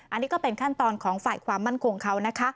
อันนี้ก็เป็นขั้นตอนของฝ่ายความมั่นคงเขานะคะ